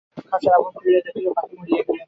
খাঁচার আবরণ খুলিয়া দেখিল, পাখি মরিয়া গেছে।